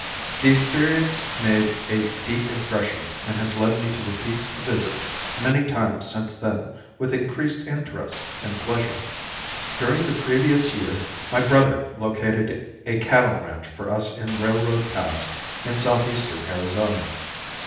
The experience made a deep impression and has led me to repeat the visit many times since then, with increased interest and pleasure. During the previous year my brother located a cattle ranch for us in Railroad Pass in southeastern Arizona.